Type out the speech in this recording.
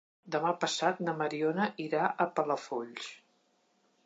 Demà passat na Mariona irà a Palafolls.